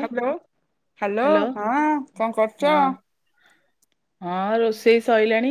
Hello hello hello ହଁ କଣ କରୁଛ? ହଁ ହଁ ରୋଷେଇ ସଇଲାଣି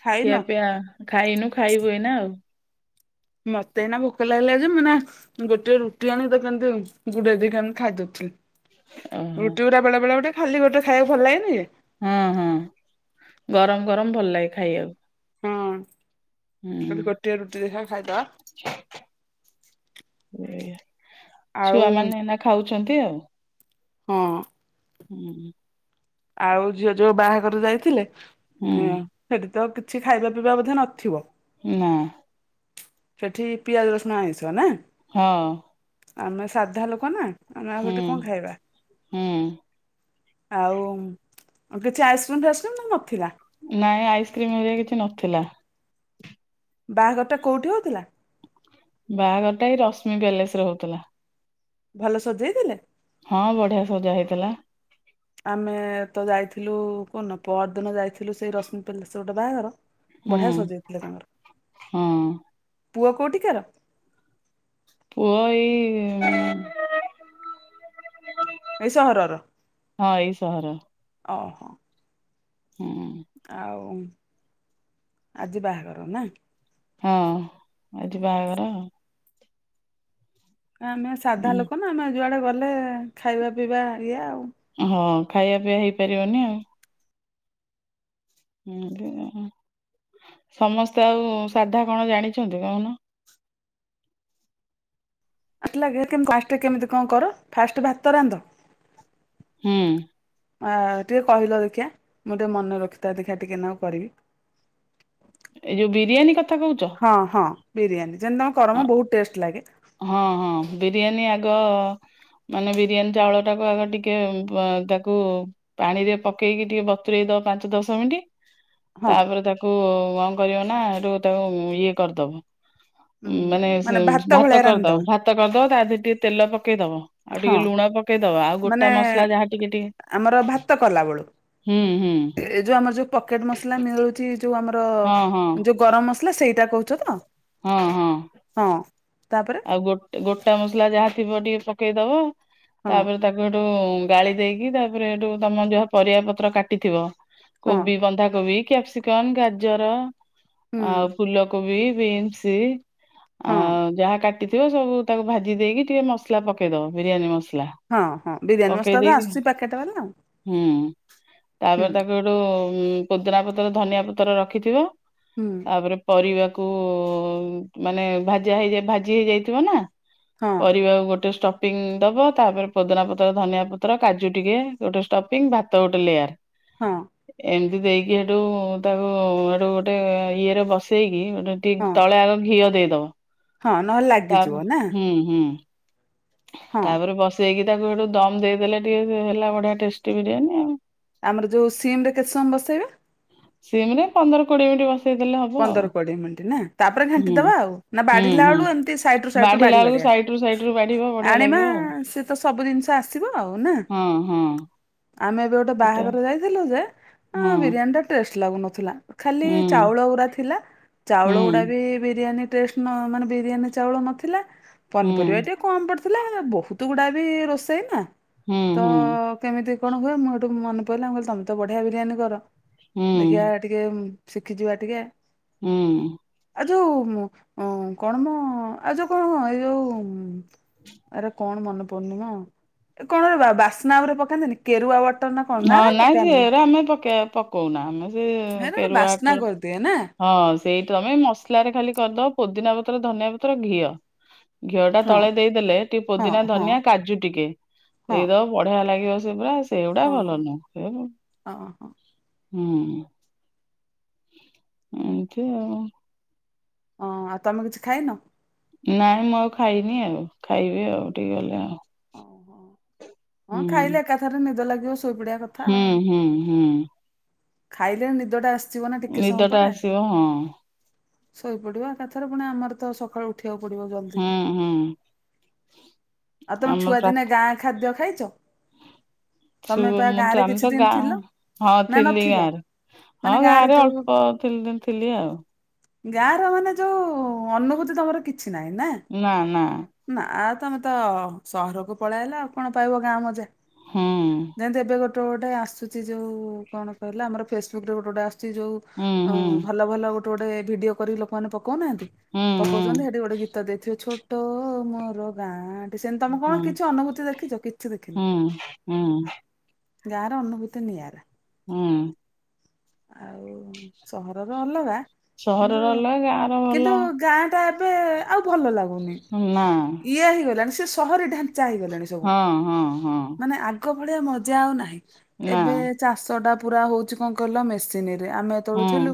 ଖାଇନ ଖିଆ ପିଆ ଖାଇନୁ ଖାଇବୁ ଏଇ ନା ଆଉ ମତେ ଏଇନା ଭୋକ ଲାଗିଲା ଯେ ମୁଁ ନା ଗୋଟେ ରୁଟି ଆଣି ତାକୁ କେମି଼ତି ବୁଡେଇଦେଇକିମତି ଖାଇଦଉଥିଲି ଓହୋ ରୁଟି ଗୁଡା ବେଳେ ବେଳେ ଗୋଟେ ଖାଲି ଗୋଟେ ଖାଇବାକୁ ଭଲ ଲାଗେନି କି। ହଁ ହଁ ଗରମ ଗରମ ଭଲ ଲାଗେ ଖାଇବାକୁ। ହଁ ହୁଁ କହିଲି ଗୋଟିଏ ରୁଟି ଦେଖା ଖାଇଦବା। ଏୟା ଆଉ ଛୁଆ ମାନେ ଏଇନା ଖାଉଛନ୍ତି ଆଉ ହଁ ହୁଁ। ଆଉ ଝିଅ ଯୋଉ ବାହାଘର ଯାଇଥିଲେ? ହୁଁ ସେଠି ତ କିଛି ଖାଇବା ପିଇବା ବୋଧେ ନଥିବ? ନା। ସେଠି ପିଆଜ ରସୁଣ ଆଇଁଷ ନାଁ? ହଁ ଆମେ ସାଧା ଲୋକ ନା ଆମେ ଆଉ ହୁଁ ହେଠେ କଣ ଖାଇବା? ହୁଁ ଆଉ କିଛି ଆଇସ୍କ୍ରିମ ଫାଇସ୍କ୍ରିମ ତ ନଥିଲା। ନାଇଁ ଆଇସ୍କ୍ରିମ ହରିକା କିଛି ନଥିଲା। ବାହାଘରଟା କୋଉଠି ହଉଥିଲା? ବାହାଘର ଟା ଏଇ ରଶ୍ମି ପ୍ୟାଲେସ ରେ ହଉଥିଲା। ଭଲ ସଜେଇଥିଲେ? ହଁ ବଢିଆ ସଜା ହେଇଥିଲା। ଆମେ ତ ଯାଇଥିଲୁ କଉନ ପର ଦିନ ଯାଇଥିଲୁ ସେଇ ରଶ୍ମି ପ୍ୟାଲେସରେ ଗୋଟେ ବାହାଘର ହୁଁ ବଢିଆ ସଜେଇଥିଲେ ତାଙ୍କର ହଁ ପୁଅ କୋଉଠିକାର? ପୁଅ ଏଇ ଇ ଏଇ ସହରର ଓହୋ। ହୁଁ। ଆଉ ଆଜି ବାହାଘର ନା? ହଁ ଆଜି ବାହାଘର ଆଉ। ଆମେ ସାଧା ଉଁ ଲୋକ ନା ଆମେ ଯୁଆଡେ ଗଲେ ଖାଇବା ପିଇବା ଇଏ ଆଉ। ହଁ ଖାଇବା ପିଇଆ ହେଇପାରିବନି ଆଉ। ହୁଁ ସମସ୍ତେ ଆଉ ସାଧା କଣ ଜାଣିଛନ୍ତି କହୁନ? ଆଟ ଲାଗେ କେମ ଫାଷ୍ଟେ କେମିତି କଣ କର ଫାଷ୍ଟେ ଭାତ ରାନ୍ଧ? ହୁଁ ଆ ଟିକେ କହିଲ ଦେଖିଆ ମୁଁ ଟିକେ ମନେ ରଖିଥାଏ ଦେଖିଆ ଟିକେନାକୁ କରିବି। ଏଇ ଯୋଉ ବିରିୟାନୀ କଥା କହୁଛ? ହଁ ହଁ ବିରିୟାନୀ ଯେମିତି ତମେ ଅ, କରମ ବହୁତ ଟେଷ୍ଟ ଲାଗେ। ହଁ ହଁ ବିରିୟାନୀ ଆଗ ମାନେ ବିରିୟାନୀ ଚାଉଳ ଟାକୁ ଆଗ ଟିକେ ପ ତାକୁ ପାଣିରେ ପକେଇକି ଟିକେ ବତୁରେଇ ଦବ ପାଞ୍ଚ ଦଶ ମିନିଟ ହଁ ତାପରେ ତାକୁ କଣ କରିବନା ହେଠୁ ତାକୁ ଇଏ କରିଦବ। ଉ ଉଁ, ହୁଁ ସେ ମାନେ ଭାତ ଭଳିଆ କରିଦବ ରାନ୍ଧିଦବ? ଭାତ କରିଦବ ତା ଦିହରେ ଟିକେ ତେଲ ପକେଇଦବ। ଆଉ ହଁ ଟିକେ ଲୁଣ ପକେଇଦବ ଆଉ ଗୋଟା ମାନେ ମସଲା ଯାହା ଟିକେ ଟିକେ ଆମର ଭାତ କଲା ବେଳୁ ହୁଁ ହୁଁ। ଏ ଯୋଉ ଆମର ଯୋଉ ପକେଟ ମସଲା ମିଳୁଛି ଯୋଉ ଆମର ହଁ ହଁ। ଯୋଉ ଗରମ ମସଲା ସେଇଟା କହୁଛ ତ? ହଁ ହଁ। ହଁ ତାପରେ ଆଉ ଗୋଟ ଗୋଟା ମସଲା ଯାହା ଥିବ ଟିକେ ପକେଇଦବ ହଁ ତାପରେ ତାକୁ ହେଠୁ ଗାଳି ଦେଇକି ତାପରେ ହେଠୁ ତମ ଯାହା ପରିବା ପତ୍ର କାଟିଥିବ ହଁ କୋବି ବନ୍ଧାକୋବି କ୍ୟାପ୍ସିକ କମ ଗାଜର ହୁଁ ଆଉ ଫୁଲକୋବି ବିନ୍ସ ହଁ ଆଉ ଯାହା କାଟିଥିବ ସବୁ ତାକୁ ଭାଜି ଦେଇକି ଟିକେ ମସଲା ପକେଇଦବ ବିରିୟାନୀ ମସଲା। ହଁ ହଁ ବିରିୟାନୀ ପକେଇ ମସଲା ତ ଦେଇି ଆସୁଛି ପ୍ୟାକେଟ ବାଲା ଆଉ ହୁଁ ହୁଁ ତାପରେ ତାକୁ ହେଠୁ ପୋଦିନା ପତ୍ର ଧନିଆ ପତ୍ର ରଖିଥିବ। ହୁଁ। ତାପରେ ପରିବାକୁ ମାନେ ଭାଜ ହେଇ ଭାଜି ହେଇଯାଇଥିବ ନା? ହଁ ପରିବାକୁ ଗୋଟେ ଷ୍ଟପ ପିଙ୍ଗ ଦବା ତାପରେ ପୋଦନା ପତ୍ର ଧନିଆ ପତ୍ର କାଜୁ ଟିକେ ଗୋଟେ ଷ୍ଟପିଙ୍ଗ ଭାତ ଗୋଟେ ଲେୟାର ହଁ ଏମିତି ଦେଇକି ହେଠୁ ତାକୁ ସେଠୁ ଗୋଟେ ଇଏରେ ବସେଇକି ହଁ ଟିକେ ତଳେ ଆଗ ଘିଅ ଦେଇଦବ। ହଁ ନହେଲେ ତା ଲାଗିଯିବ ନା? ହୁଁ ହୁଁ। ହଁ ତାପରେ ବସେଇକି ତାକୁ ସେଠୁ ଦମ ଦେଇଦେଲେ ଟିକେ ହେଲା ବଢିଆ ଟେଷ୍ଟି ବିରିୟାନୀ ଆଉ। ଆମର ଯୋଉ ସିମରେ କେତେ ସମୟ ବସେଇବେ? ସିଏମରେ ପନ୍ଦର କୋଡିଏ ମିନିଟ ବସ ସିଏ ଦେଲେ ହବ। ଆଉ ପନ୍ଦର କୋଡିଏ ମିନିଟ ନା ତାପରେ ଘାଣ୍ଟି ହୁଁ ଦବା ଆଉ ନା ହୁଁ ବାଢିଲା ହୁଁ। ବେଳ ଏମତି ସାଇ ଟ୍ରାକ୍ଟର ବାଢିଲା ବାଡି ବେଳକୁ ବାଡି ସାଇଡ ରୁ ସାଇଡ ରୁ ବାଢିବ ବଢିଆ ଆଣିବା ଲାଗିବ ଆଉ ସେ ତ ସବୁ ଜିନିଷ ଆସିବ ଆଉ ନା। ହଁ ହଁ। ଆମେ ଏବେ ଗୋଟେ ସେଟା ବାହାଘର ଯାଇଥିଲୁ ଯେ ହଁ ବିରିୟାନୀ ଟା ଟେଷ୍ଟ ଲାଗୁନଥିଲା। ଖାଲି ହୁଁ ଚାଉଳ ଗୁଡା ଥିଲା ଚାଉଳ ହୁଁ ଗୁଡା ବି ବିରିୟାନୀ ଟଷ୍ଟ ନ ମାନେ ବିରିୟାନୀ ଚାଉଳ ନଥିଲା ହୁଁ ପନିପରିବା ଟିକେ କଣ ପଡୁଥିଲା? ଥିଲା ବହୁତ ଗୁଡା ବି ରୋଷେଇ ନା ହୁଁ ତ ହୁଁ। କେମିତି କଣ ହୁଏ ମୁଁ ଏଇଠୁ ମନେ ପଡ଼ିଲ ଆ ମୁଁ କହିଲି ତମେ ତ ବଢିଆ ବିରିୟାନୀ କର ଦେଖିବା। ହୁଁ ଟିକେ ଶିଖିଯିବା ଟିକେ। ହୁଁ। ଆଉ ଯୋଉ କଣ ମ ଆଉ ଯୋଉ କଣ ଏଇ ଯୋଉ ଆରେ କଣ ମନେପଡୁନି ପୂର୍ଣିିମା ଏ କଣ ବାସ୍ନା ଉପରେ ପକାନ୍ତିନି। କେରୁଆ ୱାଟର ନା କଣ ନା ହଁ ନା ନାଇଁ ଦରକାରନା ସେରା ଆମେ ପକେଇ ପକଉନା ଆମେ ସେ ହେଟା ଗୋଟେ କେରୁଆ ବାସ୍ନା ଅଟର କରିଦି ଏ ନା ହଁ ସେଇ ତମେ ମସଲାରେ ଖାଲି କରିଦବ ପୋଦିନା ପତ୍ର ଧନିଆ ପତ୍ର ଘିଅ। ଘିଅ ଟା ହଁ ତଳେ ଦେଇଦେଲେ ଟିକେ ହଁ ପୋଦିନା ହଁ ଧନିଆ କାଜୁ ଟିକେ ହଁ ଦେଇଦବ। ବଢିଆ ଲାଗିବ ସେ ପୁରା ସେଗୁଡା ହଁ ଭଲ ନୁହ ହଁ ହଁ ହଁ ହୁଁ। ଏମତି ଆଉ ହଁ ଆଉ ତମେ କିଛି ଖାଇନ? ନାଇଁ ମୁଁ ଆଉ ଖାଇନି ଆଉ ଖାଇବି ଆଉ ଟିକେ ଗଲେ ଆଉ ଓହୋ ହୁଁ ହଁ ଖାଇଲେ ଏକାଥରେ ନିଦ ଲାଗିବ ଶୋଇପଡିବା କ ହୁଁ ହୁଁ ହୁଁ। ଖାଇଦେଲେ ନିଦଟା ଆସ୍ ନିଦଟା ଆସିବ ହଁ। ଶୋଇପଡିବ ଏକାଥରେ ପୁଣି ଆମର ତ ସକାଳୁ ଉଠିବାକୁ ପଡିବ ଜଲଦି। ହୁଁ ହୁଁ ଆଉ ତମେ ଆମର ଛୁଆ ପ୍ରା ଦିନେ ଗାଁ ଖାଦ୍ୟ ଖାଇଛ? ଛୁ ତମେ ପା ମୁଁ ତ ଗାଁରେ ଆମେ କିଛି ତ ଦିନ ଗାଁ ଥିଲ? ହଁ ନା ଥିଲି। ନଥିଲ ଗାଁରେ ହଁ ମାନେ ଗାଁରେ ଯୋଉ ଅଳ୍ପ ତିନଦିନ ଥିଲି ଆଉ ଗାଁ ର ମାନେ ଯୋଉ ଅନୁଭୂତି ତମର କିଛି ନାହିଁ ନା? ନା ନା। ନା ଆଉ ତମେତ ସହରକୁ ପଳେଆଇଲ ଆଉ କଣ ପାଇବ ଗାଁ ମଜା। ହଁ। ଯେନ୍ତେ ଏବେ ଗୋଟେ ଗୋଟେ ଆସୁଛି ଯୋଉ କଣ କହିଲା ଆମର ଫେସବୁକ୍ରରେ ଗୋଟେ ଗୋଟେ ଆସୁଛି ହୁଁ ଅ ହୁଁ ଭଲ ଭଲ ଗୋଟେ ଗୋଟେ ଭିଡିଓ କରିକି ଲୋକମାନେ ପଉନାହାନ୍ତି ହୁଁ ପକଉ ଜ ସେଠି ଗୋଟେ ଗୀତ ଦେଇଥିବେ ଛୋଟ ମୋର ଗାଁ। ସେମିତି ତମେ କଣ ହୁଁ କିଛି ଅନୁଭୂତି ଦେଖିଛ କିଛି ଦେଖିନା। ହୁଁ ହୁଁ ହୁଁ ଗାଁର ଅନୁଭୂତି ନିୟରା। ହଁ। ଆଉ ସହରର ଅଲଗା କିନ୍ତୁ ସହରର ଅଲଗା ଗାଁ ର ଭଲ କିନ୍ତୁ ଗାଁ ଟା ଏବେ ଆଉ ଭଲ ଲାଗୁନି। ନା ଇଏ ହେଇଗଲାଣି ସେ ସହରୀ ଢାଞ୍ଚା ହେଇଗଲାଣି ସବୁ ହଁ ହଁ ହଁ ମାନେ ଆଗ ଆଗ ଭଳିଆ ମଜା ଆଉ ନାହିଁ ନା ଏବେ ଚାଷ ଟା ପୁରା ହଉଛି କଣ କହିଲ ମେସିନରେ ଆମେ ହୁଁ ତୋଳୁଥିଲୁ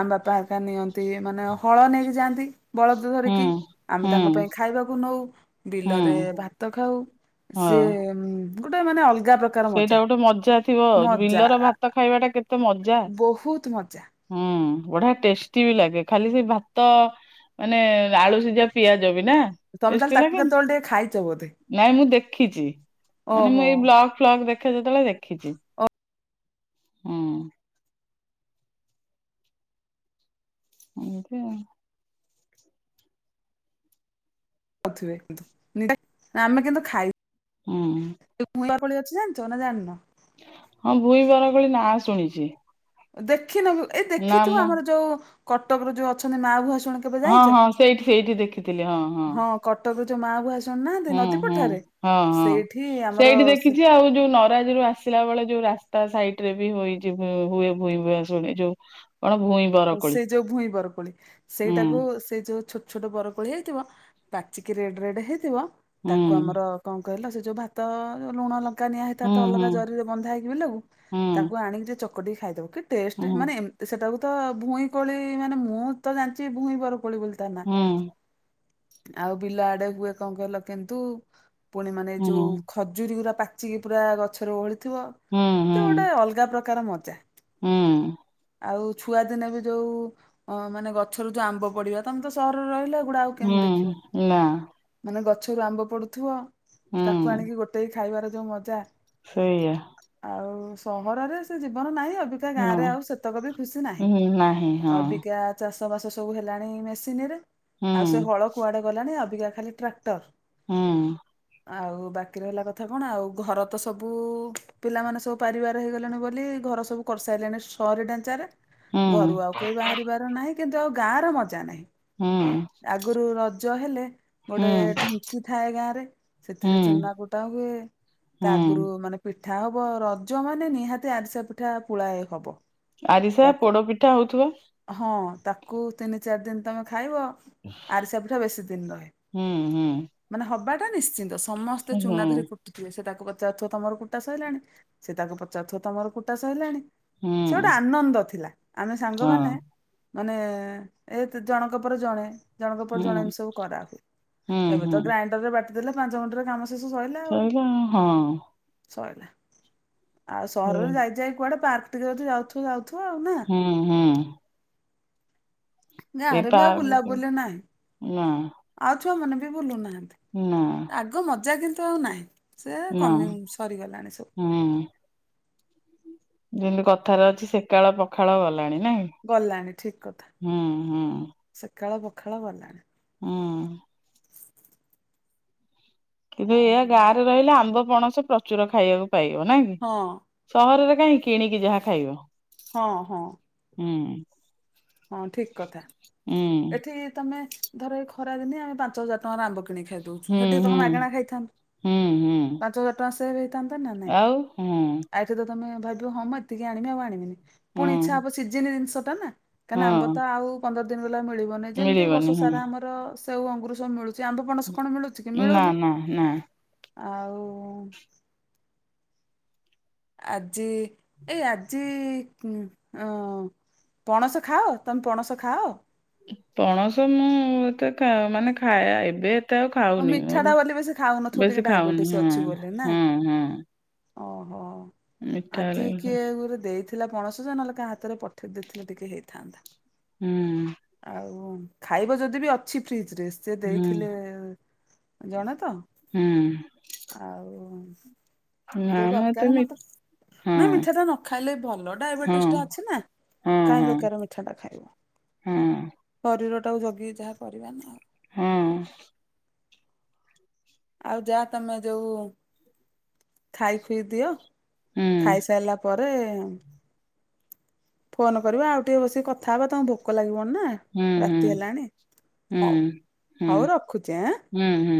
ଆମ ବାପା ଆକା ନିଅନ୍ତି ମାନେ ହଳ ନେଇକି ଯାଆନ୍ତି ବଳଦ ହୁଁ ଧରିକି ଆମେ ତାଙ୍କ ହୁଁ ପାଇଁ ଖାଇବାକୁ ନଉ ହୁଁ ବିଲରେ ଭାତ ଖାଉ ସେ ହଁ ଗୋଟେ ମାନେ ଅଲଗା ପ୍ରକା ସେଇଟା ଗୋଟେ ମଜା ଥିବ ବିଲରେ ଭାତ ଖାଇବାଟା କେତେ ମ ବହୁତ ମଜା ହୁଁ ବଢିଆ ଟେଷ୍ଟି ବି ଲାଗେ ଖାଲି ସେଇ ଭାତ ମାନେ ଆଳୁ ସି ଯା ପିଆଜ ବି ନା ତମେ ତାହେଲେ ଚେଷ୍ଟି ତାକୁ ଲାଗେନି କେତେବେଳେ ଟିକେ ଖାଇଛ ବୋଧେ? ନାଇଁ ମୁଁ ଦେଖିଛି ମାନେ ଓହୋ। ମୁଁ ଏଇ ବ ଫ୍ଲଗ ଦେଖା ଯାଉଥିଲା ଦେଖିଛି। ଉଁ। ଏମିତି ଆଉ। ନ ଥିବେ କିନ୍ତୁ ନ ଆମେ କିନ୍ତୁ ଖାଇ ହୁଁ। ଏ ପୁଲର ପାଲି ଅଛି ଜାଣିଛ ନା ଜାଣିନ? ହଁ ଭୁଇଁ ବର କୋଳି ନାଁ ଶୁଣିଛି। ଦେଖିନୁ ଏଇ ନା ଦେଖିଥିବ ମୁଁ ଆମର ଯୋଉ କଟକର ଯୋଉ ଅଛନ୍ତି ମା ବୁହା ଶୁଣି ହଁ ହଁ ସେଇଠି ସେଇଠି ଦେଖିଥିଲି ହଁ ହଁ। କଟକରୁ ଯୋ ମା ଭୂଆସ୍‌ ହେଁ ହେଁ ହଁ ହଁ ଆମର ସେଇଠି ସେ- ଦେଖିଛି ଆଉ ଯୋଉ ନ ତାଧିରୁ ଆସିଲା ବେଳେ ଯୋଉ ରାସ୍ତା ସାଇଟି ରେ ବି ହୁଏ ଯୋ ଭ ହୁଏ ଭୁ ଭୁଦ୍ଦାଶୁଣି ଯୋଉ କଣ ଭୂଇଁ ସେ ଯୋଉ ଭୂଇଁ ବରକୋଳି ସେଇଟାକୁ ସେଇ ଯୋଉ ଛୋଟ ଛୋଟ ବରକୋଳି ହେଇଥିବ ପାଚିକି ରେଡ୍‌ ରେଡ୍‌ ହେଇଥିବ ହୁଁ ତାକୁ ଆମର କଅଁ କଇଲ ସେ ଯୋଉ ଭାତ ଲୁଣ ଲ ତା ନିଆ ହେଇଥା ହୁଁ ତ ଅଲଗା ହୁଁ ଜରିରେ ବନ୍ଧା ହେଇକି ବିଲବୁ ହୁଁ ତାକୁ ଆଣିକି ଚକଟିକି ଖାଇଦେବୁ କି ଟେଷ୍ଟ ହୁଁ ମାନେ ଏମତି ସେଟାକୁ ତ ଭୁଇଁ କୋଳି ମାନେ ମୁଁ ତ ଜାଣିଚି ଭୁଇଁ ବର କୋଳି ବୋଲି ତା ନା ହୁଁ ଆଉ ବିଲ ଆଡେ ହୁଏ କଅଁ କହିଲ କେନ୍ଦୁ। ପୁଣି ମାନେ ହୁଁ ଯୋଉ ଖଜୁରୀ ଗୁରା ପାଚିକି ପୁରା ଗଛରେ ଓହଳିଥିବ। ହୁଁ ସେ ହୁଁ। ଗୋଟେ ଅଲଗା ପ୍ରକାର ମଜା। ହୁଁ। ଆଉ ଛୁଆଦିନେ ବି ଯୋଉ ଅ ମାନେ ଗଛରୁ ଯୋଉ ଆମ୍ବ ପଡିବା ତମେ ତ ସହରରେ ରହିଲ। ପୁଣି ଆଉ କେମିତି ହୁଁ ଦେଖିବୁ ନା ମାନେ ଗଛରୁ ଆମ୍ବ ପଡୁଥିବ ହୁଁ ତାକୁ ଆଣିକି ଗୋଟେ ସେଇ ଖାଇବାର ଯୋଉ ମଜା ସେଇଆ ଆଉ ସହରରେ ସେ ଜୀବନ ନାହିଁ ଅବିକା ଗାଁ ନା ରେ ଆଉ ସେ ସେତକ ବି ଖୁସି ନାହିଁ ହୁଁ ନାହିଁ ହଁ ଅବିକା ଚାଷବାସ ସବୁ ହେଲାଣି ମେସିନିରେ, ଆଉ ସେ ହୁଁ ହଳ କୁଆଡେ ଗଲାଣି, ଅବିକା ଖାଲି ଟ୍ରାକ୍ଟର। ହୁଁ। ଆଉ ବାକି ରହିଲା କଥା କଣ, ଆଉ ଘର ତ ସବୁ ପିଲାମାନେ ସବୁ ପାରିବାର ହେଇଗଲେଣି ବୋଲି, ଘର ସବୁ କରିସାରିଲେଣି। ସହରୀ ଢାଞ୍ଚାରେ ହୁଁ ଘରୁ ଆଉ କେହି ବାହାରିବାର ନାହିଁ, କିନ୍ତୁ ଆଉ ଗାଁର ମଜା ନାହିଁ। ହୁଁ। ଆଗୁରୁ ରଜ ହେଲେ, ଗୋଟେ ହୁଁ ଢିଙ୍କି ଥାଏ ଗାଁରେ, ସେଥିରେ ହୁଁ ଚୁନା କୁଟ କୁଟା ହୁଏ ତା ଆଗୁରୁ ହୁଁ ମାନେ ପିଠା ହବ ରଜ, ମାନେ ନିହାତି ଆରିସା ପିଠା ପୁଳାଏ ହବ। ଆରିସା, ତାକୁ ପୋଡ ପିଠା ହଉଥିବ? ହଁ, ତାକୁ ତିନି ଚାରି ଦିନ ତମେ ଖାଇବ ଆରିସା ପିଠା ବେଶୀ ଦିନ ରହେ। ହୁଁ ହୁଁ ମାନେ ହବାଟା ନିଶ୍ଚିନ୍ତ। ସମସ୍ତେ ହୁଁ ଚୁନା ଧରି କୁଟ ଟିବେ। ସେ ତାକୁ ପଚାରୁଥିବ ତମର କୁଟା ସଇଲାଣି, ସେ ତାକୁ ପଚାରୁଥିବ ତମର କୁଟା ସଇଲାଣି? ହୁଁ ସେ ଗୋଟେ ଆନନ୍ଦ ଥିଲା। ଆମେ ହଁ ସାଙ୍ଗମାନେ ମାନେ ଏତ୍ ଜଣଙ୍କ ପରେ ଜଣେ ଜଣଙ୍କ ପରେ ହୁଁ ଜଣେ ଏମତି ସବୁ କରାହୁଏ। ହୁଁ ଏବେ ହୁଁ ତ ଗ୍ରାଇଣ୍ଡରରେ ବାଟିଦେଲେ ପାଞ୍ଚ ମିଣ୍ଟିରେ କାମ ଶେଷ ସଇଲା ସଇଲା ଆଉ ହଁ। ସଇଲା। ଆଉ ହୁଁ ସହରରେ ଯାଇଯାଇ କୁଆଡେ ପାର୍କ ଟିକେ ଯଦି ଯାଉଥିବ ଯାଉଥିବ ଆଉ ନା? ହୁଁ, ହୁଁ। ଏଇ ଗାଁରେ ବି ଆଉ ପାର୍କ ବୁଲାବୁଲି ନାହିଁ, ନା ଆଉ ଛୁଆମାନେ ବି ବୁଲୁନାହାଁନ୍ତି। ନା। ଆଗ ମଜା କିନ୍ତୁ ଆଉ ନାହିଁ, ସେ କମି ସରିଗଲାଣି ସବୁ। ହଁ। ଯେମତି କଥାରେ ଅଛି ସେକାଳ ପଖାଳ ଗଲାଣି, ନାଇଁ? ଗଲାଣି ଠିକ କଥା। ହୁଁ ହୁଁ ସେକାଳ ପଖାଳ ଗଲାଣି। ହୁଁ କିନ୍ତୁ ଏୟା ଆଉ ଗାଁରେ ରହିଲେ ଆମ୍ବ, ପଣସ ପ୍ରଚୁର ଖାଇବାକୁ ପାଇବ। ନାଇଁକି? ହଁ ସହରରେ କାହିଁ, କିଣିକି ଯାହା ଖାଇବ। ହଁ, ହଁ। ହୁଁ। ହଁ ଠିକ କଥା। ହୁଁ। ଏଠି ତମେ ଧର ଏଇ ଖରାଦିନିଆ ଆମେ ପାଞ୍ଚ ହଜାର ଟଙ୍କାର ଆମ୍ବ କିଣିକି ଖାଇ ଦଉଛୁ, ହୁଁ ସେଠି ହୁଁ ତମ ମାଗଣା ଖାଇଥାନ୍ତୁ। ହୁଁ ହୁଁ ପାଞ୍ଚହଜାର ଟଙ୍କା ସେଭ୍ ହେଇଥାନ୍ତା ନା ନାଇଁ? ଆଉ ହୁଁ ଆ ଏଠି ତ ତମେ ଭାବିବ, ହଁ ମୁଁ ଏତିକି ଆଣିବି ଆଉ ଆଣିବିନି, ହୁଁ ପୁଣି ଇଚ୍ଛା ହବ ସିଜିନି ଜିନିଷଟା ନା। କାଇଁନା ଆମ୍ବ ହଁ ତ ଆଉ ପନ୍ଦର ଦିନ ଗଲେ ଆଉ ମିଳିବନି। ଯେମତି ବର୍ଷ ମିଳିବନି ହଁ ସାରା ଆମର ସେଉ, ଅଙ୍ଗୁରୁ ସବୁ ମିଳୁ ଆମ୍ବ, ପଣସ କଣ ମିଳୁଚି କି? ନା ମିଳୁନି। ନା ନା ଆଉ ଆଜି ଏଇ ଆଜି ଉଁ ଅଁ ପଣସ ଖାଅ, ତମେ ପଣସ ଖାଅ? ପଣସ ମୁଁ ଏତେ ଖା ମାନେ ଖାଇଆ ଏବେ ଏତେ ଆଉ ଖାଉନି, ମିଠା ଟା ମୋର ବୋଲି ବେଶୀ ଖାଉନଥିବ ଟିକେ ବେଶୀ ଡାଇବେଟିସ୍ ଖାଉନି। ଅଛି ହୁଁ, ବୋଲି ନା ହୁଁ, ହୁଁ। ଓହୋ। ଆଜି ହେଲେ- କିଏ ଗୁରେ ଦେଇଥି ଥିଲା ପଣସ ଯେ, ନହେଲେ କା ହାତରେ ପଠେଇ ଦେଇଥିଲେ ଟିକେ ହେଇଥାନ୍ତା। ହୁଁ। ଆଉ ଖାଇବ ଯଦି ବି ଅଛି ଫ୍ରିଜ୍ ରେ ସେ ହୁଁ ଦେଇଥିଲେ ଜଣା ତ। ହୁଁ। ଆଉ ନା ଯ ଦରକାର ମି ମତେ ହଁ ନାଇଁ ମିଠାଟା ନ ଖାଇଲେ ଭଲ ହଁ ଡାଇବେଟିସ ଟା ଅଛି ନା। କାଇଁ ବେକାର ମିଠା ଟା ଖାଇବ। ହୁଁ। ଶରୀର ଟାକୁ ଜଗିକି ଯାହା କରିବା ନା। ହଁ। ଆଉ ଯାହା ତମେ ଯୋଉ ଖାଇ ଖୁଇ ଦିଅ ହୁଁ ଖାଇସାରିଲା ପରେ ରେ ଫୋନ୍ କରିବା ଆଉ ଟିକେ ବସିକି କଥା ହେବା ତମକୁ ଭୋକ ଲାଗିବଣି ନା। ହୁଁ ହୁଁ ରାତି ହେଲାଣି ହୁଁ ହଉ ହୁଁ ହଉ ରଖୁଛି ଆଁ? ହୁଁ ହୁଁ।